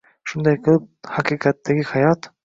shunday qilib “haqiqatdagi hayot”